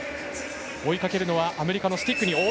追いかけるのはアメリカのスティックニー。